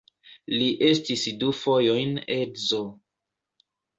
Li estis du fojojn edzo.